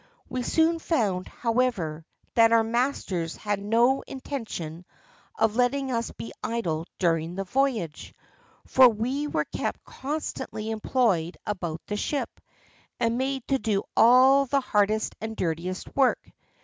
We soon found, however, that our masters had no intention of letting us be idle during the voyage, for we were kept constantly employed about the ship, and made to do all the hardest and dirtiest work.